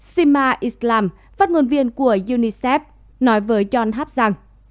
sima islam phát ngôn viên của unicef nói với john hap rằng